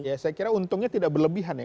ya saya kira untungnya tidak berlebihan ya